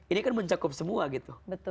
ini kan mencakup semua gitu